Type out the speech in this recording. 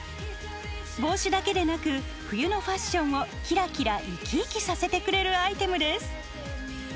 帽子だけでなく冬のファッションをキラキラ生き生きさせてくれるアイテムです。